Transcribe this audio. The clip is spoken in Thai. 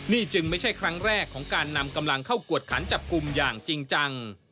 นี่จึงไม่ใช่ครั้งแรกของการนำกำลังเข้ากวดขันจับกลุ่มอย่างจริงจัง